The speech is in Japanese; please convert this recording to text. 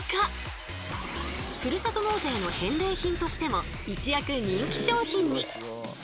ふるさと納税の返礼品としても一躍人気商品に。